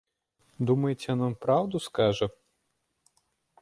Думаеце, ён вам праўду скажа?